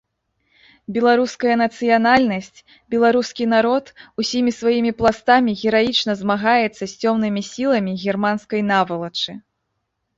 Беларуская нацыянальнасць, беларускі народ усімі сваімі пластамі гераічна змагаецца з цёмнымі сіламі германскай навалачы.